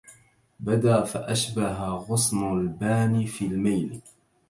بدا فأشبه غصن البان في الميل